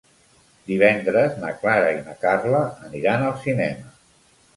Divendres na Clara i na Carla aniran al cinema.